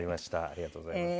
ありがとうございます。